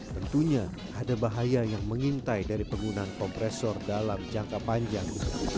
tentunya ada bahaya yang mengintai dari penggunaan kompresor dalam jangka panjang